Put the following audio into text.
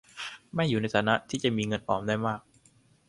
ไม่อยู่ในฐานะที่จะมีเงินออมได้มาก